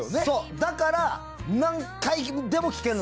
だから何回でも聴けるの。